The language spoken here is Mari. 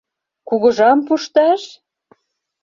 Кугыжам пушташ?